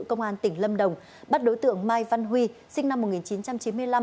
công an tỉnh lâm đồng bắt đối tượng mai văn huy sinh năm một nghìn chín trăm chín mươi năm